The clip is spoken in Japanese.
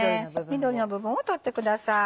緑の部分を取ってください。